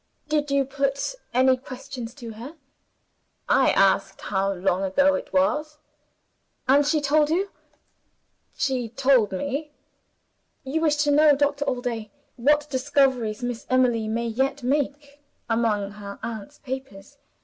"Did you put any questions to her?" "I asked how long ago it was." "And she told you?" "She told me." "You wish to know, Doctor Allday, what discoveries Miss Emily may yet make, among her aunt's papers.